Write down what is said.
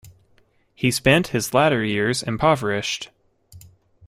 He spent his later years impoverished.